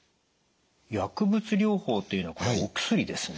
薬物療法というのはこれはお薬ですね？